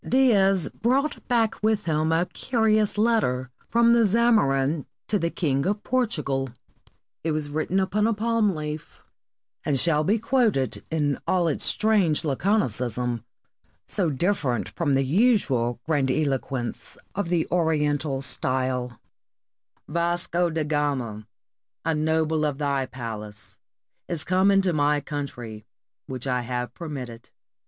Dias brought back with him a curious letter from the Zamorin to the King of Portugal. It was written upon a palm 607 PORTUGAL leaf, and shall be quoted in all its strange laconicism, so different from the usual grandiloquence of the Oriental style :—" Vasco da Gama, a noble of thy palace, is come into my country, which I have permitted.